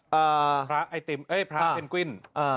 พระไอติมพระเทมกวิน